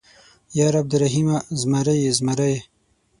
_ياره عبرالرحيمه ، زمری يې زمری.